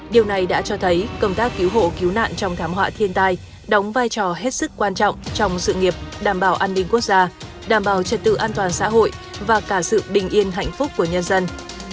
điều này đã cho thấy công tác cứu hộ cứu nạn trong thảm họa thiên tai đóng vai trò hết sức quan trọng trong sự nghiệp đảm bảo an ninh quốc gia đảm bảo trật tự an toàn xã hội và cả sự bình yên hạnh phúc của nhân dân